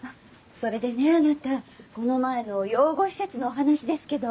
それでねあなたこの前の養護施設のお話ですけど。